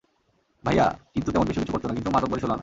ভাইয়া কিন্তু তেমন বেশি কিছু করত না, কিন্তু মাতব্বরি ষোলো আনা।